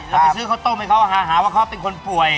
ไปซื้อข้าวต้มให้เขาหาว่าเขาเป็นคนป่วย